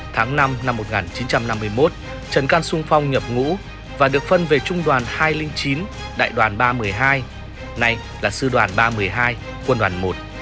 tháng năm năm một nghìn chín trăm năm mươi một trần can sung phong nhập ngũ và được phân về trung đoàn hai trăm linh chín đại đoàn ba trăm một mươi hai nay là sư đoàn ba trăm một mươi hai quân đoàn một